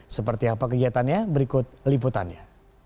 seperti apa kegiatannya berikut liputannya